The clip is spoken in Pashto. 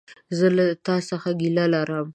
زه له تا څخه ګيله لرم!